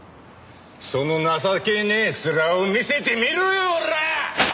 その情けねえ面を見せてみろよオラッ！